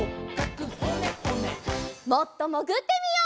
もっともぐってみよう！